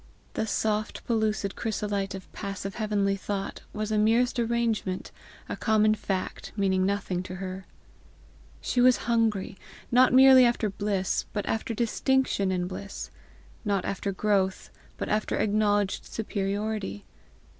The soft pellucid chrysolite of passive heavenly thought, was a merest arrangement, a common fact, meaning nothing to her. She was hungry, not merely after bliss, but after distinction in bliss; not after growth, but after acknowledged superiority.